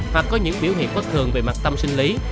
hoặc có những biểu hiện bất thường về mặt tâm sinh lý